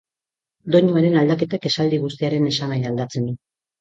Doinuaren aldaketak esaldi guztiaren esan nahia aldatzen du.